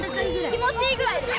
気持ちいいぐらい。